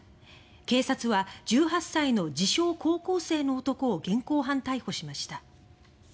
警察は１８歳の自称・高校生を現行犯逮捕しました。